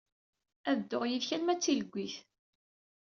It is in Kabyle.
Ad dduɣ yid-k arma d tileggit.